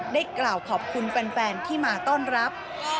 ได้กล่าวขอบคุณแฟนที่มาต้อนรับ